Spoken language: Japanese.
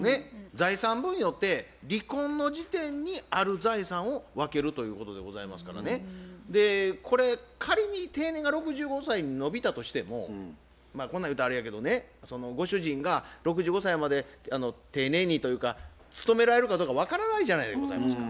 財産分与って離婚の時点にある財産を分けるということでございますからねこれ仮に定年が６５歳に延びたとしてもこんなん言うたらあれやけどねご主人が６５歳まで丁寧にというか勤められるかどうか分からないじゃないでございますか。